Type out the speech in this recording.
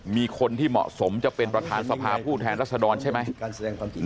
มีคนที่เหมาะสมจะเป็นประธานสภาผู้แทนรัศดรใช่ไหม